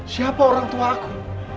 siapa orang tua aku